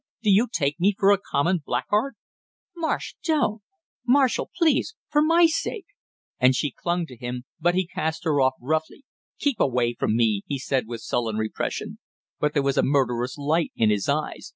Do you take me for a common blackguard?" "Marsh, don't! Marshall, please for my sake " and she clung to him, but he cast her off roughly. "Keep away from me!" he said with sullen repression, but there was a murderous light in his eyes.